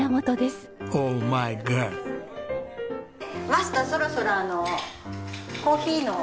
マスターそろそろあのコーヒーの。